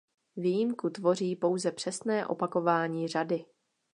Výjimku tvoří pouze přesné opakování řady.